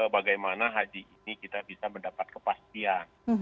bagaimana haji ini kita bisa mendapat kepastian